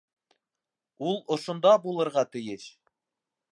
Ул ошонда булырға тейеш!